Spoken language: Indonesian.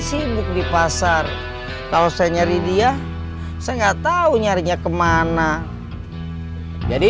sibuk di pasar kalau saya nyari dia saya enggak tahu nyarinya kemana jadi